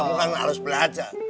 bukan harus belajar